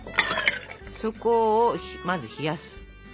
底をまず冷やす。